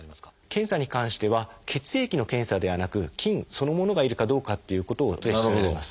検査に関しては血液の検査ではなく菌そのものがいるかどうかっていうことを調べます。